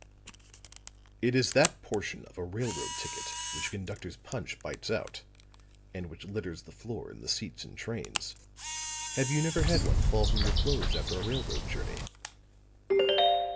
"It is that portion of a railroad ticket which a conductor's punch bites out, and which litters the floor and the seats in trains. Have you never had one fall from your clothes after a railroad journey?"